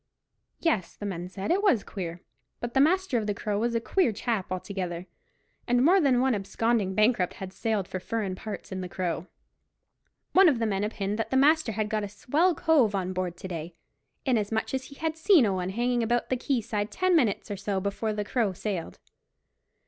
Yes, the men said, it was queer; but the master of the Crow was a queer chap altogether, and more than one absconding bankrupt had sailed for furrin parts in the Crow. One of the men opined that the master had got a swell cove on board to day, inasmuch as he had seen such a one hanging about the quay side ten minutes or so before the Crow sailed.